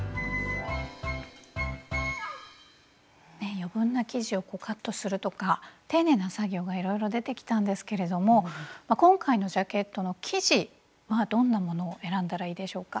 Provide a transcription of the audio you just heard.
余分な生地をカットするとか丁寧な作業がいろいろ出てきたんですけれども今回のジャケットの生地はどんなものを選んだらいいでしょうか？